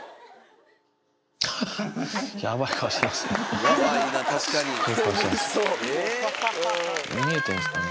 やばい顔してますね。